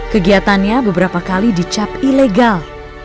kegiatannya beberapa kali dicap ilegal